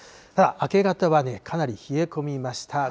ただ、明け方はね、かなり冷え込みました。